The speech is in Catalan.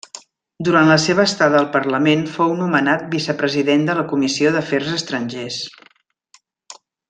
Durant la seva estada al Parlament fou nomenat vicepresident de la Comissió d'Afers Estrangers.